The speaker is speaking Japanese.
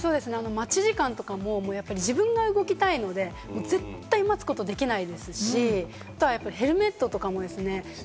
待ち時間とかも自分が動きたいので絶対待つことできないですし、あとヘルメットとかもですね。